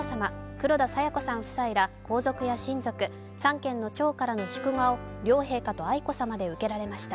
黒田清子さん夫妻ら、皇族や親族、三権の長からの祝賀を両陛下と愛子さまで受けられました。